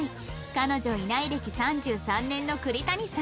彼女いない歴３３年の栗谷さん